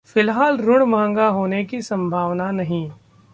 फिलहाल ऋण मंहगा होने की संभावना नहीं